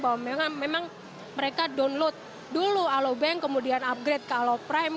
bahwa memang mereka download dulu alobank kemudian upgrade ke alo prime